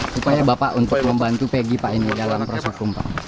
supaya bapak untuk membantu peggy pak ini dalam proses rumpah